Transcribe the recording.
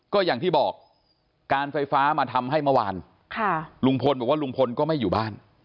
ก็อย่างที่บอกการไฟฟ้ามาทำให้เมื่อวานลุงพลบอกว่าลุงพลก็ไม่อยู่บ้าน